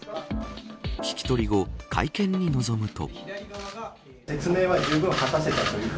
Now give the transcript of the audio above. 聞き取り後、会見に臨むと。